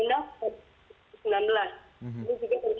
ini juga terdapat